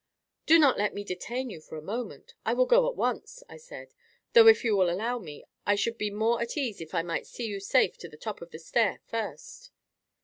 "Do not let me detain you a moment. I will go at once," I said; "though, if you would allow me, I should be more at ease if I might see you safe at the top of the stair first."